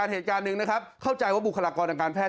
เหตุการณ์หนึ่งนะครับเข้าใจว่าบุคลากรทางการแพท